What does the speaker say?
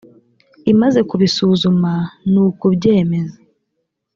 imaze kubisuzuma nu kubyemeza